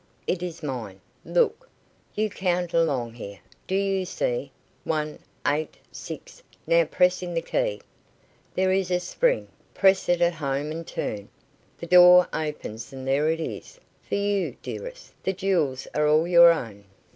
It is mine. Look. You count along here do you see one, eight, six, now press in the key. There is a spring. Press it home and turn. The door opens and there it is. For you, dearest the jewels are all your own."